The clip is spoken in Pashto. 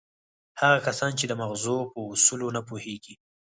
هغه کسان چې د ماغزو په اصولو نه پوهېږي.